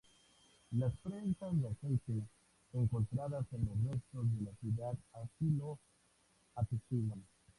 Las prensas de aceite encontradas en los restos de la ciudad así lo atestiguan.